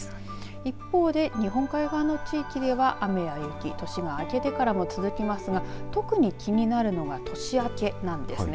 一方で日本海側の地域では雨や雪、年が明けてからも続きますが、特に気になるのが年明けなんですね。